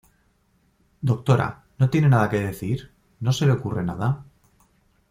doctora, ¿ no tiene nada que decir? ¿ no se le ocurre nada?